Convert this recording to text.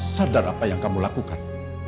sadar apa yang kamu lakukan